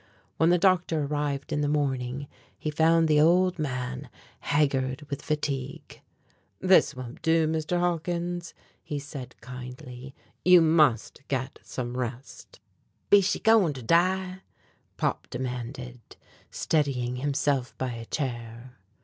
When the doctor arrived in the morning he found the old man haggard with fatigue. "This won't do, Mr. Hawkins," he said kindly; "you must get some rest." "Be she goin' to die?" Pop demanded, steadying himself by a chair.